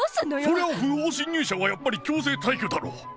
「そりゃあ、不法侵入者はやっぱり強制退去だろ」。